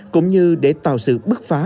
cũng như để tạo sự bức phá